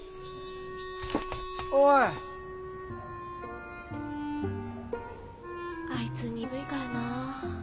おいあいつにぶいからなぁ。